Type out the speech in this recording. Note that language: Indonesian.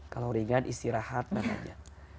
kalau ringan istirahat namanya